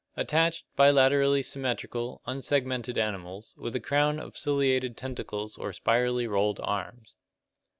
Attached, bilaterally symmetrical, unsegmented animals, with a crown of ciliated tentacles or spirally rolled arms.